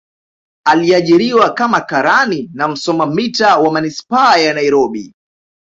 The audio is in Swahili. aliajiriwa kama karani na msoma mita wa manispaa ya nairobi